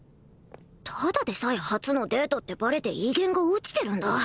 ただでさえ初のデートってバレて威厳が落ちてるんだ